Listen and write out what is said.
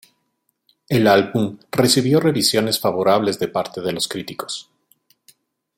El álbum recibió revisiones favorables de parte de los críticos.